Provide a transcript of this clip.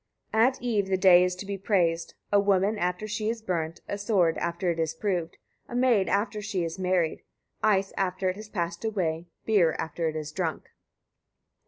81. At eve the day is to be praised, a woman after she is burnt, a sword after it is proved, a maid after she is married, ice after it has passed away, beer after it is drunk.